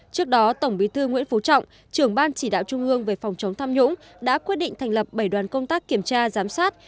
trước đó tổng bí thư nguyễn phú trọng trưởng ban chỉ đạo trung ương về phòng chống tham nhũng đã quyết định thành lập bảy đoàn công tác kiểm tra giám sát